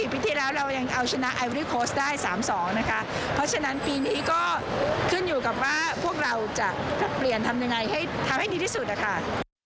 เพราะฉะนั้นปีนี้ก็ขึ้นอยู่กับว่าพวกเราจะเปลี่ยนทำยังไงทำให้ดีที่สุดอ่ะค่ะ